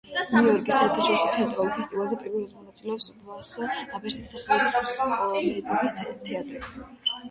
ნიუ იორკის საერთაშორისო თეატრალურ ფესტივალზე პირველად მონაწილეობს ვასო აბაშიძის სახელობის მუსკომედიის თეატრი.